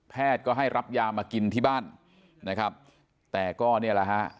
แพทย์ก็ให้รับยามากินที่บ้านแต่ก็เนี่ยละฮะ